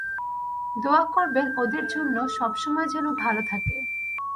দোয়া করবেন ওদের জন্য, সবসময় যেন ভালো থাকে।